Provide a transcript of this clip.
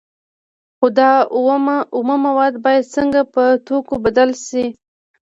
خو دا اومه مواد باید څنګه په توکو بدل شي